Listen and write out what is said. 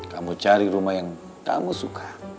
kamu cari rumah yang kamu suka